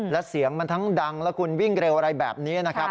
และเสียงมันทั้งดังแล้วคุณวิ่งเร็วอะไรแบบนี้นะครับ